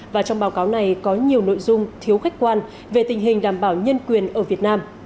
và trong báo cáo này có nhiều nội dung thiếu khách quan về tình hình đảm bảo nhân quyền ở việt nam